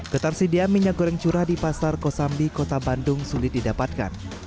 ketersediaan minyak goreng curah di pasar kosambi kota bandung sulit didapatkan